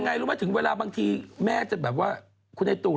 แต่พี่ตู่ว่าถึงเวลาบางทีแม่จะแบบว่าคุณไอ้ตู่ร้องห้าสาม